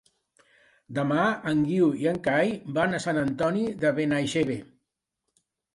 Demà en Guiu i en Cai van a Sant Antoni de Benaixeve.